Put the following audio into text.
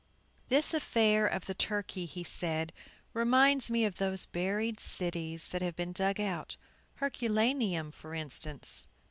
"This affair of the turkey," he said, "reminds me of those buried cities that have been dug out, Herculaneum, for instance."